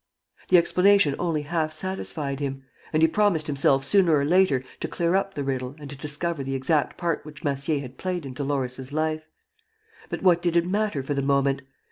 The explanation only half satisfied him, and he promised himself sooner or later to clear up the riddle and to discover the exact part which Massier had played in Dolores' life. But what did it matter for the moment?